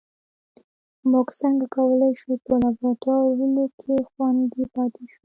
موږ څنګه کولای شو په لابراتوار کې خوندي پاتې شو